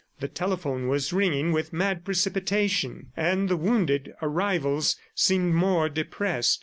The telephone was ringing with mad precipitation; and the wounded arrivals seemed more depressed.